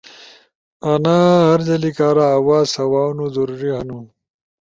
انا ہر جلی کارا آواز سواؤنو ضروری ہنو۔